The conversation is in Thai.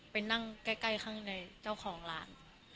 ไปนั่งใกล้ข้างในเจ้าของร้าน